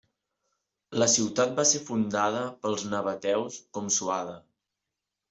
La ciutat va ser fundada pels nabateus com Suada.